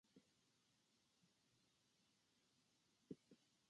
扉の向こうにはおそらくアレがある